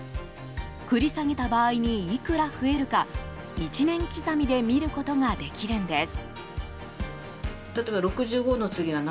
繰り下げた場合にいくら増えるか１年刻みで見ることができるんです。